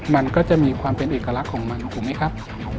มันก็จะมีความเป็นเอกลักษณ์ของมันถูกไหมครับ